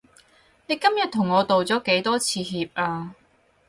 你今日同我道咗幾多次歉啊？